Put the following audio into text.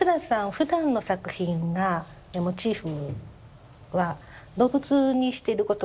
ふだんの作品がモチーフは動物にしてることが多いんですね。